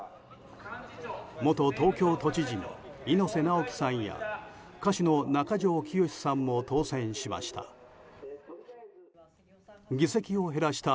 元東京都知事の猪瀬直樹さんや歌手の中条きよしさんも当選しました。